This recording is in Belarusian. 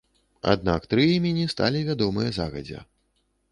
Аднак тры імені сталі вядомыя загадзя.